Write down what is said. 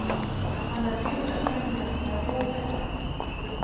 الخنازير أذكى من الكلاب والقطط.